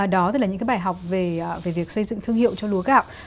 đó là những cái bài học về việc xây dựng thương hiệu cho lúa gạo